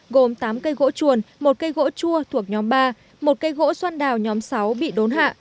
gồm tám cây gỗ chuồn một cây gỗ chua thuộc nhóm ba một cây gỗ xoan đào nhóm sáu bị đốn hạ